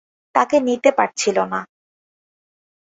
তাকে নিতে পারছিল না।